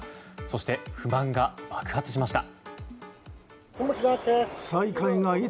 そして、不満が爆発しました。